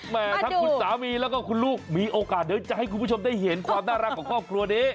ทั้งคุณสามีแล้วก็คุณลูกมีโอกาสเดี๋ยวจะให้คุณผู้ชมได้เห็นความน่ารักของครอบครัวนี้